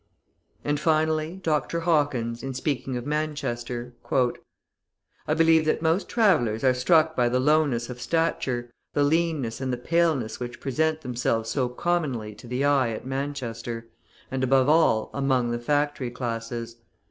And, finally, Dr. Hawkins, in speaking of Manchester: "I believe that most travellers are struck by the lowness of stature, the leanness and the paleness which present themselves so commonly to the eye at Manchester, and above all, among the factory classes.